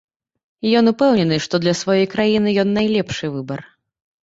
Ён упэўнены, што для сваёй краіны ён найлепшы выбар.